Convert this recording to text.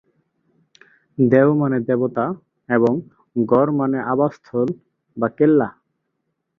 দেও মানে দেবতা এবং গড় মানে আবাস্থল/কেল্লা।